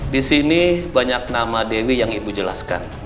disini banyak nama dewi yang ibu jelaskan